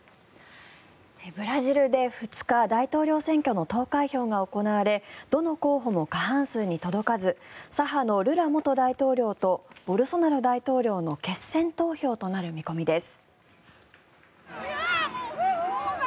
ブラジルで２日大統領選挙の投開票が行われどの候補も過半数に届かず左派のルラ元大統領とボルソナロ大統領の決選投票となる見込みです。